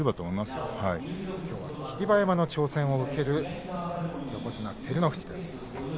きょうは霧馬山の挑戦を受ける横綱照ノ富士です。